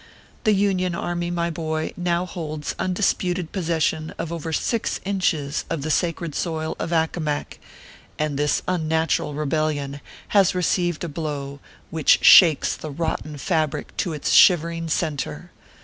The Union Army, my boy, now holds undisputed possession of over six inches of the sacred soil of Ac comac, and this unnatural rebellion has received a blow which shakes the rotten fabric to its shivering centre.